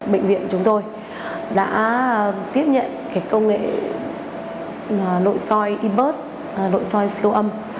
bệnh viện chúng tôi đã tiếp nhận công nghệ nội soi i bus nội soi siêu âm